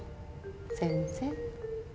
先生